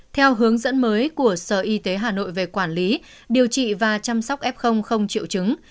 theo hướng dẫn mới của sở y tế hà nội về quản lý điều trị và chăm sóc f không triệu chứng